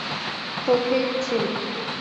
Hockey Thiene